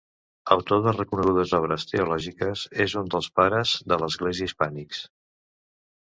Autor de reconegudes obres teològiques, és un dels Pares de l'Església hispànics.